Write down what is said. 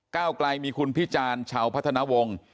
ก้าวไกลมีคุณพี่จานเฉาพัฒนาวงศ์